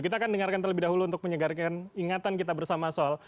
kita akan dengarkan terlebih dahulu untuk menyegarkan ingatan kita bersama soal